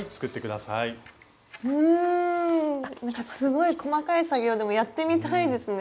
うんなんかすごい細かい作業でもやってみたいですね。